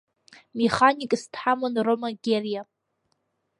Механикс дҳаман Рома Гьериа.